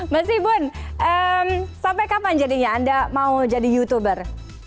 mas ibun sampai kapan jadinya anda mau jadi youtuber